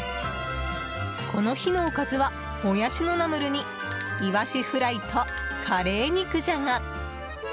この日のおかずはもやしのナムルにいわしフライとカレー肉じゃが。